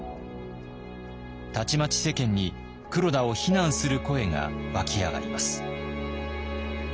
たちまち世間に黒田を非難する声が湧き上がります。